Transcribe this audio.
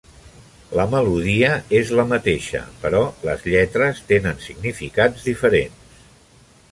La melodia és la mateixa, però les lletres tenen significats diferents.